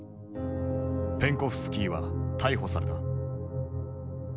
ペンコフスキーは逮捕された。